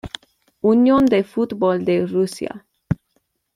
Unión del Fútbol de Rusia.